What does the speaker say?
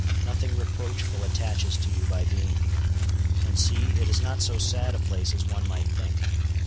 Nothing reproachful attaches to you by being here. And see, it is not so sad a place as one might think.